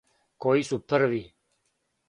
Који су први?